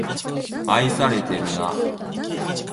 愛されてるな